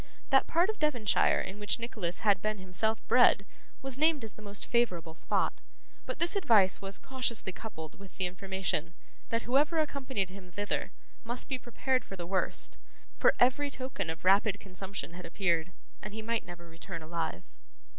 That part of Devonshire in which Nicholas had been himself bred was named as the most favourable spot; but this advice was cautiously coupled with the information, that whoever accompanied him thither must be prepared for the worst; for every token of rapid consumption had appeared, and he might never return alive.